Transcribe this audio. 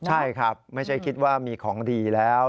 ใช่ครับไม่ใช่คิดว่ามีของดีแล้ว